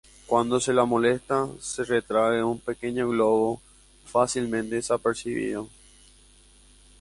Cuando se la molesta, se retrae en un pequeño globo, fácilmente desapercibido.